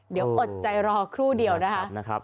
เดี๋ยวอดใจรอครู่เดียวนะคะ